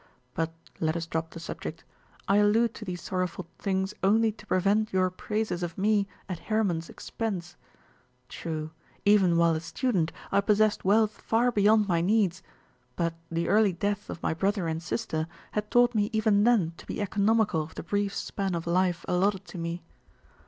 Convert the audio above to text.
But let us drop the subject. I allude to these sorrowful things only to prevent your praises of me at Hermon's expense. True, even while a student I possessed wealth far beyond my needs, but the early deaths of my brother and sister had taught me even then to be economical of the brief span of life allotted to me.